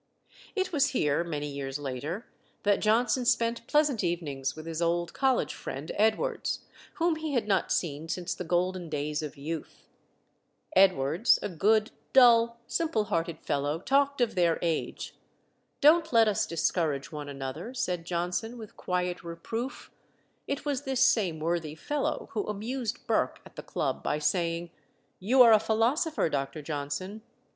It was here, many years later, that Johnson spent pleasant evenings with his old college friend Edwards, whom he had not seen since the golden days of youth. Edwards, a good, dull, simple hearted fellow, talked of their age. "Don't let us discourage one another," said Johnson, with quiet reproof. It was this same worthy fellow who amused Burke at the club by saying "You are a philosopher, Dr. Johnson.